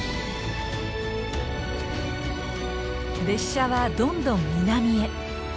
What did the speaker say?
列車はどんどん南へ。